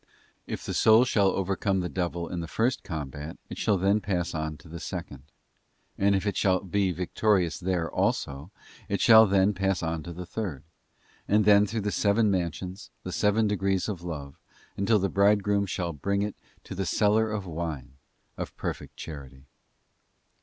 If the soul shall overcome the devil in the first combat it shall then pass on to the second; and if it shall be victorious there also, it shall then pass on to the third; and then through the seven mansions, the seven degrees of 'love, until the Bridegroom shall bring it to ' the cellar of wine' f of perfect Charity.